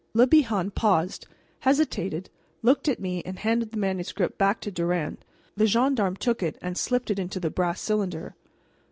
Le Bihan paused, hesitated, looked at me, and handed the manuscript back to Durand. The gendarme took it and slipped it into the brass cylinder.